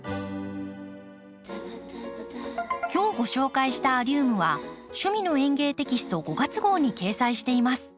今日ご紹介したアリウムは「趣味の園芸」テキスト５月号に掲載しています。